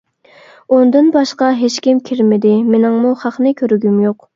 ئۇندىن باشقا ھېچكىم كىرمىدى، مېنىڭمۇ خەقنى كۆرگۈم يوق.